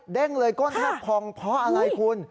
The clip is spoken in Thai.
เลยก้นแทบพองเพราะอะไรคุณ